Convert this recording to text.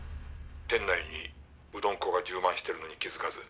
「店内にうどん粉が充満しているのに気づかず」